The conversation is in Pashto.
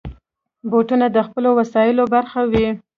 بوټونه د خپلو وسایلو برخه وي.